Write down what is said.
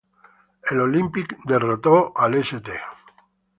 El Olympic derrotó al St.